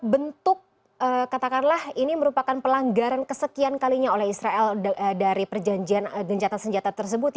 bentuk katakanlah ini merupakan pelanggaran kesekian kalinya oleh israel dari perjanjian gencatan senjata tersebut